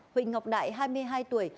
huỳnh ngọc đại hai mươi hai tuổi